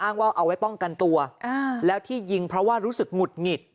ว่าเอาไว้ป้องกันตัวแล้วที่ยิงเพราะว่ารู้สึกหงุดหงิด